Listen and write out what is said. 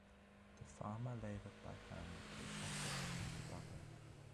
The farmer labored by hand, with effort and struggle.